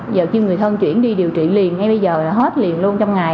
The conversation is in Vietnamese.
giờ khi người thân chuyển đi điều trị liền ngay bây giờ là hết liền luôn trong ngày